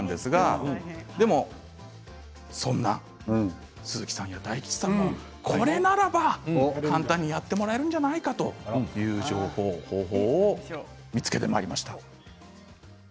そんな鈴木さんや大吉さんでも、これならば簡単にやってもらえるんじゃないかという方法を見つけてきました。